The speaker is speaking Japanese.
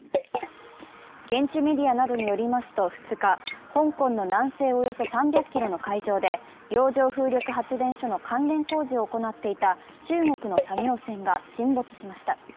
現地メディアなどによりますと２日、香港の南西およそ３００ｋｍの海上で、洋上風力発電所の関連工事を行っていた中国の作業船が沈没しました。